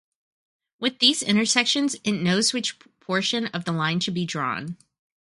With these intersections it knows which portion of the line should be drawn.